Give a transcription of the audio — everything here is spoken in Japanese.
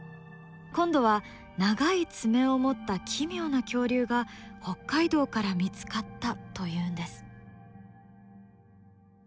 今度は長い爪を持った奇妙な恐竜が北海道から見つかったというんです。